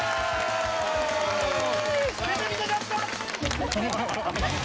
出てみたかった！